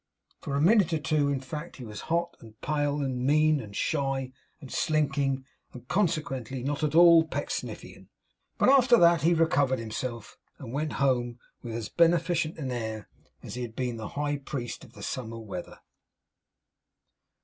For a minute or two, in fact, he was hot, and pale, and mean, and shy, and slinking, and consequently not at all Pecksniffian. But after that, he recovered himself, and went home with as beneficent an air as if he had been the High Priest of the summer weather.